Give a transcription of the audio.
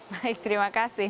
baik terima kasih